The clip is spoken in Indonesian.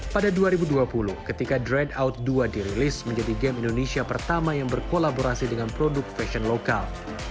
pada dua ribu dua puluh ketika dr out dua dirilis menjadi game indonesia pertama yang berkolaborasi dengan produk fashion lokal